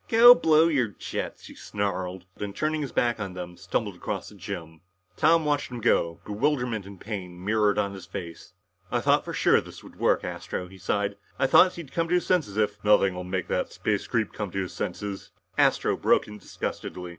"Go blow your jets," he snarled, and turning his back on them, stumbled across the gym. Tom watched him go, bewilderment and pain mirrored on his face. "I thought sure this would work, Astro," he sighed. "I thought he'd come to his senses if " "Nothing'll make that space creep come to his senses," Astro broke in disgustedly.